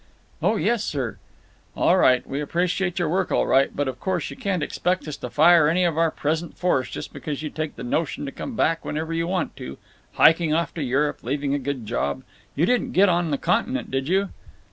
"Oh yes, sir." "All right. We appreciate your work all right, but of course you can 't expect us to fire any of our present force just because you take the notion to come back whenever you want to…. Hiking off to Europe, leaving a good job!… You didn't get on the Continent, did you?"